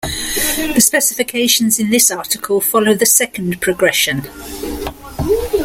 The specifications in this article follow the second progression.